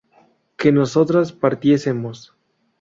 que nosotras partiésemos